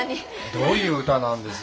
どういう歌なんです？